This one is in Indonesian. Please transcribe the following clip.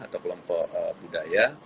atau kelompok budaya